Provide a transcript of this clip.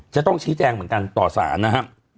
จะต้องชี้แจงเหมือนกันต่อสารนะครับ